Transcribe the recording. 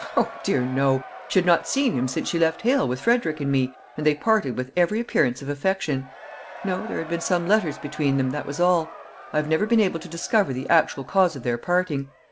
O, dear no; she had not seen him since she left Hale with Frederick and me, and they parted with every appearance of affection. No; there had been some letters between them, that was all. I have never been able to discover the actual cause of their parting.